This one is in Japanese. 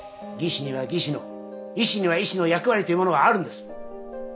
技師には技師の医師には医師の役割というものがあるんです。